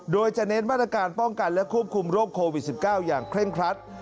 โดยจะเน้นมาตรการป้องกันและควบคุมโรคโควิด๑๙อย่างเคร่งครัด